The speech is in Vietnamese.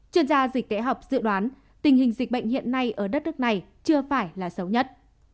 chuyên gia dịch tễ học dự đoán tình hình dịch bệnh hiện nay ở đất nước này chưa phải là xấu nhất